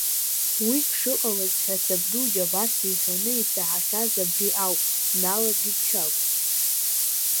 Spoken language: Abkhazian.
Уи шыҟалаз ҳәа сабду Џьабас иҳәоны исаҳахьаз абри ауп, дналагеит Чагә…